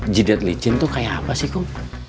jidat licin tuh kayak apa sih kang